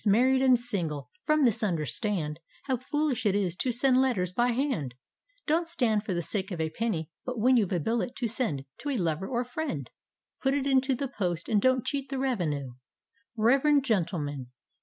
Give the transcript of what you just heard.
married and single, from this understanil How foolish it is to send letters by hand ! Don't stand for the sake of a penny, — but when you 've a billet to send To a lover or friend, Put it into the post, and don't cheat the revenue I Reverend gentlemen